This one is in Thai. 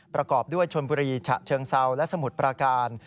ประกอบด้วยชนบุรีฉะเชิงเซาและสมุทรประการ